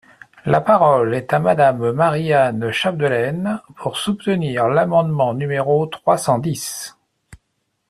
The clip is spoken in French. La parole est à Madame Marie-Anne Chapdelaine, pour soutenir l’amendement numéro trois cent dix.